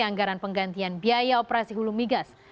anggaran penggantian biaya operasi hulu migas